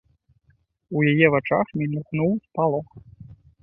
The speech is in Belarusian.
У яе вачах мільгнуў спалох.